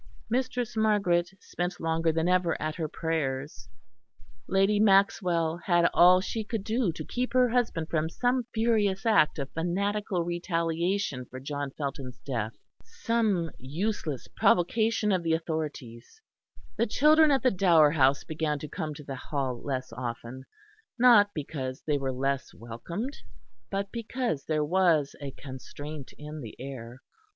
Mistress Margaret spent longer than ever at her prayers; Lady Maxwell had all she could do to keep her husband from some furious act of fanatical retaliation for John Felton's death some useless provocation of the authorities; the children at the Dower House began to come to the Hall less often, not because they were less welcomed, but because there was a constraint in the air.